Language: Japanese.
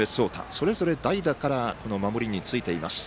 それぞれ代打からポジションについています。